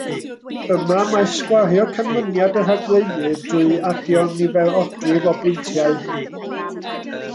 Yma, mae sgwario canlyniad y rhagflaenydd drwy adio nifer odrif o bwyntiau.